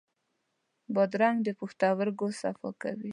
بادرنګ د پښتورګو صفا کوي.